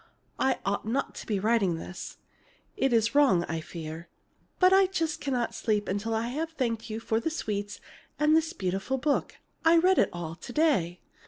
I ought not to be writing this. It is wrong, I fear, but I just cannot sleep until I have thanked you for the sweets, and this beautiful book. I read it all, to day.